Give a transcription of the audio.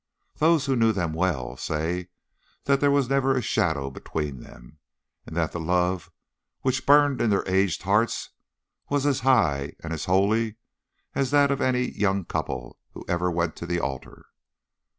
Those who knew them well say that there was never a shadow between them, and that the love which burned in their aged hearts was as high and as holy as that of any young couple who ever went to the altar.